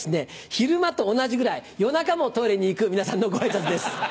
昼間と同じぐらい夜中もトイレに行く皆さんのご挨拶です。